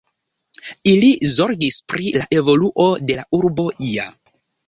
Ili zorgis pri la evoluo de la urbo ia.